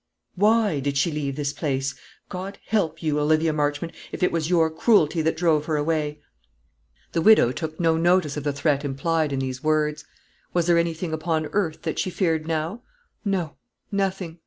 "Why did she leave this place? God help you, Olivia Marchmont, if it was your cruelty that drove her away!" The widow took no notice of the threat implied in these words. Was there anything upon earth that she feared now? No nothing.